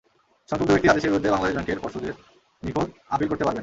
সংক্ষুব্ধ ব্যক্তি আদেশের বিরুদ্ধে বাংলাদেশ ব্যাংকের পর্ষদের নিকট আপিল করতে পারবেন।